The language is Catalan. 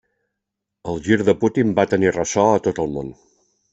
El gir de Putin va tenir ressò a tot el món.